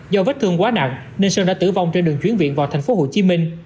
do vết thương quá nặng nên sơn đã tử vong trên đường chuyển viện vào tp hcm